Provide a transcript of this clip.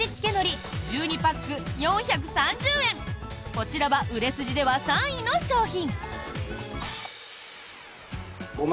こちらは売れ筋では３位の商品。